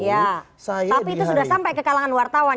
tapi itu sudah sampai ke kalangan wartawan